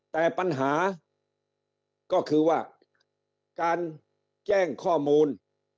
แต่ปัญหาก็คือว่าการแจ้งข้อมูล